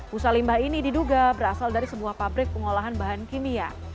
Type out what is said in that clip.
busa limbah ini diduga berasal dari sebuah pabrik pengolahan bahan kimia